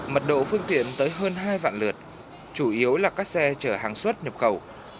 mật độ phương tiện tới hơn hai vạn lượt chủ yếu là các xe chở hàng xuất nhập khẩu